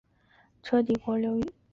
车底国流域。